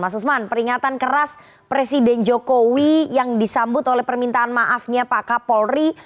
mas usman peringatan keras presiden jokowi yang disambut oleh permintaan maafnya pak kapolri